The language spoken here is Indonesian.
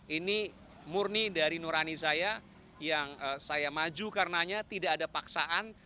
ini murni dari nurani saya yang saya maju karenanya tidak ada paksaan